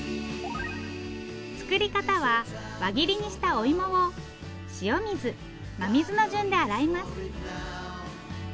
作り方は輪切りにしたおいもを塩水真水の順で洗います。